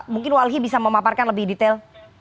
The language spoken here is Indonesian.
mungkin walhi bisa memaparkan lebih detail